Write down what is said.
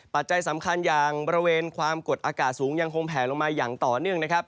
ปัจจัยสำคัญอย่างบริเวณความกดอากาศสูงยังคงแผลลงมาอย่างต่อเนื่องนะครับ